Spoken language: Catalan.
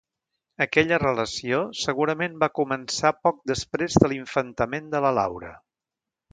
Aquella relació segurament va començar poc després de l’infantament de la Laura.